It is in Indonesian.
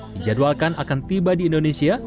dijadwalkan akan tiba di indonesia